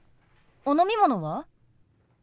お飲み物は？